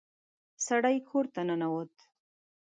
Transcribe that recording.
سړی کور ته ننوت.